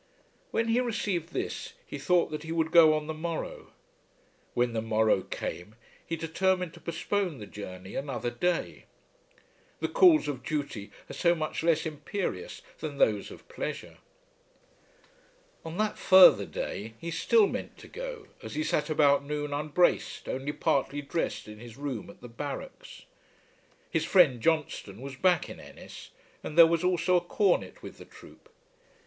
When he received this he thought that he would go on the morrow. When the morrow came he determined to postpone the journey another day! The calls of duty are so much less imperious than those of pleasure! On that further day he still meant to go, as he sat about noon unbraced, only partly dressed in his room at the barracks. His friend Johnstone was back in Ennis, and there was also a Cornet with the troop.